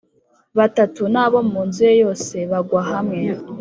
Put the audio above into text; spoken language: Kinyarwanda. batatu n abo mu nzu ye bose bagwa hamwe